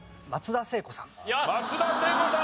松田聖子さん